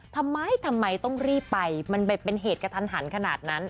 ทำไมทำไมต้องรีบไปมันเป็นเหตุกระทันหันขนาดนั้น